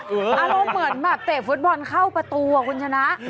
อารมณ์เหมือนแบบเตะฟุตบอลเข้าประตูคุณชนะ